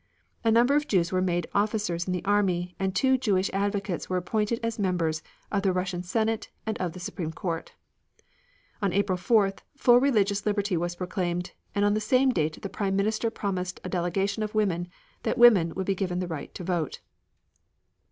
A number of Jews were made officers in the army, and two Jewish advocates were appointed members of the Russian Senate and of the Supreme Court. On April 4th full religious liberty was proclaimed, and on the same date the Prime Minister promised a delegation of women that women would be given the right to vote.